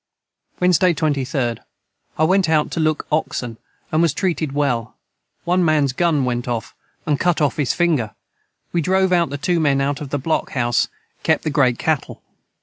Wednesday 23d. I went out to look oxen and was treated well 1 mans gun went of and cut of his finger we drove out the 2 men out of the Block House kep the great Cattle.